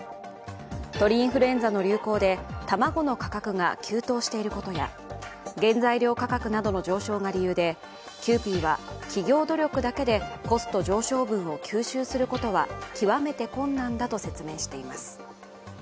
鳥インフルエンザの流行で、卵の価格が急騰していることや原材料価格などの上昇が理由でキユーピーは企業努力だけでコスト上昇分を吸収することは極めて困難だと説明しています。